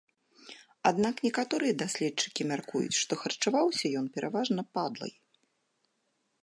Аднак некаторыя даследчыкі мяркуюць, што харчаваўся ён пераважна падлай.